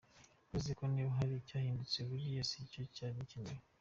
Uretse ko niba hari n’icyahindutse buriya si cyo cyari gikenewe.